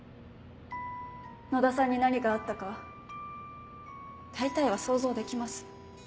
野田さんに何があったか大体は想像できます。